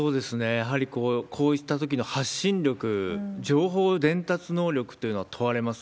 やはり、こういったときの発信力、情報伝達能力というのは問われます。